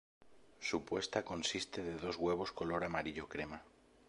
Su puesta consiste de dos huevos color amarillo crema.